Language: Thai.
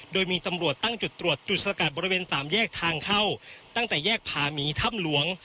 โดยมีตำรวจตั้งจุดตรวจจุดสกัดบริเวณสามแยกทางเข้าตั้งแต่แยกผาหมีถ้ำหลวง